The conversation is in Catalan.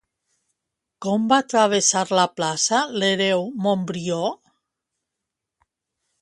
Com va travessar la plaça l'hereu Montbrió?